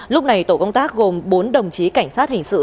lúc này tổ công tác gồm bốn đồng chí cảnh sát hình sự